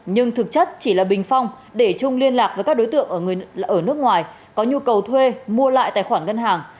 nhưng thực chất chỉ là bình phong để trung liên lạc với các đối tượng ở nước ngoài có nhu cầu thuê mua lại tài khoản ngân hàng